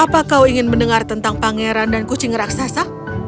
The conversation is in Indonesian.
apa kau ingin mendengar tentang pangeran dan kucing raksasa